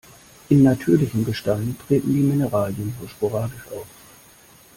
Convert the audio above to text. In natürlichem Gestein treten die Mineralien nur sporadisch auf.